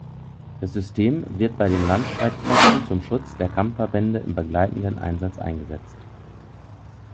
Das System wird bei den Landstreitkräften zum Schutz der Kampfverbände im begleitenden Einsatz eingesetzt.